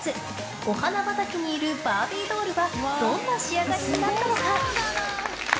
お花畑にいるバービードールはどんな仕上がりになったのか？